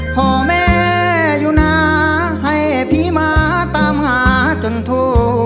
พ่อแม่อยู่นะให้ผีมาตามหาจนโทร